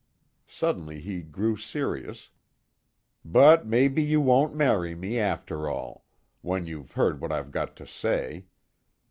Suddenly, he grew serious, "But maybe you won't marry me, after all when you've heard what I've got to say.